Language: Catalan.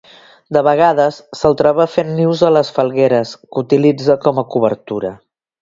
De vegades se'l troba fent nius a les falgueres, que utilitza com a cobertura.